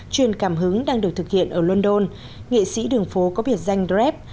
truyền cảm hứng đang được thực hiện ở london nghệ sĩ đường phố có biệt danh dreap